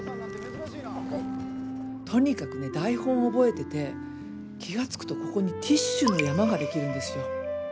とにかくね台本覚えてて気が付くとここにティッシュの山ができるんですよ。